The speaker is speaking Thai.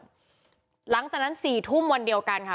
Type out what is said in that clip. หลังจากนั้น๔ทุ่มวันเดียวกันค่ะ